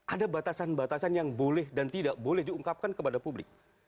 ada batasan batasan yang boleh dan tidak boleh diungkapkan kepada publik